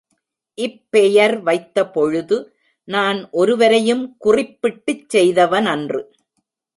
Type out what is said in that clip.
இப்பெயர் வைத்தபொழுது நான் ஒருவரையும் குறிப்பிட்டுச் செய்தவனன்று.